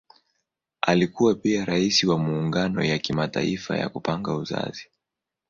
Alikuwa pia Rais wa Muungano ya Kimataifa ya Kupanga Uzazi.